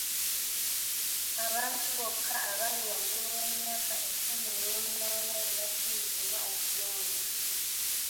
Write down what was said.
Abantu bokka abali waggulu w'emyaka ekkumi n'omunaana be bakkirizibwa okulonda.